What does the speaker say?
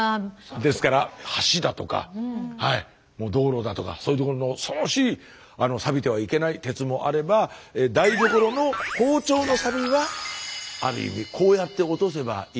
ですから橋だとかもう道路だとかそういう所の恐ろしいサビてはいけない鉄もあれば台所の包丁のサビはある意味こうやって落とせばいい。